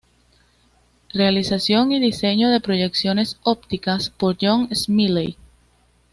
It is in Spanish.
Realización y diseño de proyecciones ópticas por John Smiley.